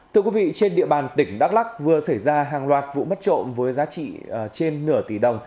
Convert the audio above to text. thưa quý vị trên địa bàn tỉnh đắk lắc vừa xảy ra hàng loạt vụ mất trộm với giá trị trên nửa tỷ đồng